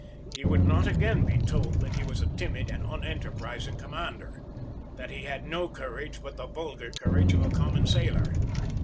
He would not again be told that he was a timid and unenterprising commander, that he had no courage but the vulgar courage of a common sailor.